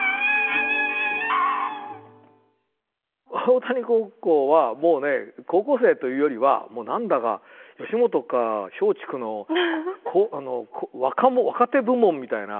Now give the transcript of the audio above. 大谷高校はもうね高校生というよりはもう何だか吉本か松竹の若手部門みたいな。